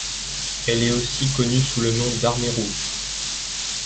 Elle est aussi connue sous le nom dArmée rouge.